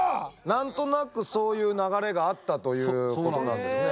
何となくそういう流れがあったということなんですね。